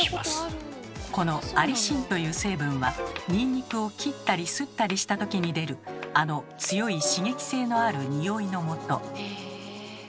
このアリシンという成分はニンニクを切ったりすったりしたときに出るあの強い刺激性のあるニオイのもと。